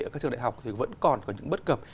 ở các trường đại học thì vẫn còn có những bất cập